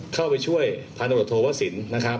เข้าไปช่วยพันธบทโทวสินนะครับ